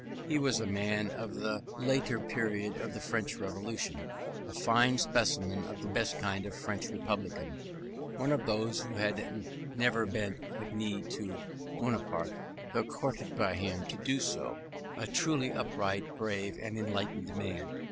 He was a man of the later period of the French Revolution, a fine specimen of the best kind of French Republican, one of those who had never bent the knee to Bonaparte though courted by him to do so; a truly upright, brave, and enlightened man.